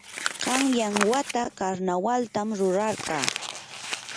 qanyan wata karnawaltam rurarqaa.